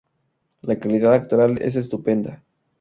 La calidad actoral es estupenda.